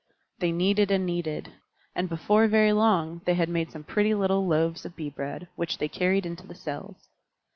They kneaded and kneaded, and before very long they had made some pretty little loaves of Bee bread, which they carried into the cells.